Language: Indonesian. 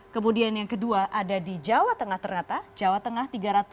kemudian yang kedua ada di jawa tengah ternyata jawa tengah tiga ratus